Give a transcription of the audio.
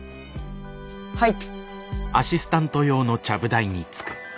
はい。